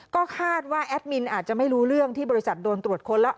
ก็คาดว่าแอดมินอาจจะไม่รู้เรื่องที่บริษัทโดนตรวจค้นแล้ว